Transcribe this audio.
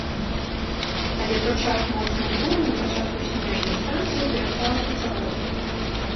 Але падчас моцнай буры на пачатку снежня станцыя перастала працаваць.